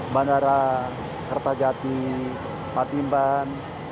bandara kertajati patimban